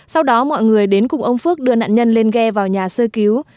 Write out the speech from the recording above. sau đó mọi người đến cùng ông phước đưa nạn nhân lên ghe vào nhà sơ cứu